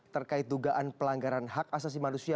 terkait dugaan pelanggaran hak asasi manusia